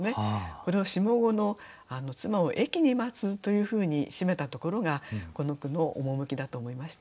これを下五の「妻を駅に待つ」というふうに締めたところがこの句の趣だと思いました。